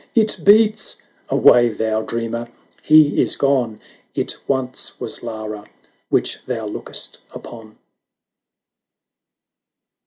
" It beats !"— Away, thou dreamer ! he is gone — It once was Lara which thou look'st upon.